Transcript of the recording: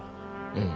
うん。